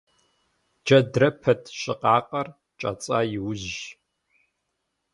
Джэдрэ пэт щыкъакъэр кӀэцӀа иужьщ.